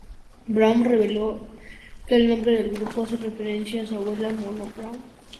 Brown reveló que el nombre del grupo hace referencia a su abuela, Mona Brown.